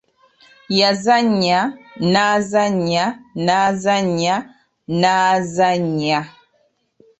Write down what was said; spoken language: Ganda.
Yazannya, n’azannya, n’azannya n’azannaya.